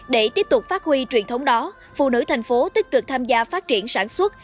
để tiếp tục phát huy truyền thống đó phụ nữ thành phố tích cực tham gia phát triển sản xuất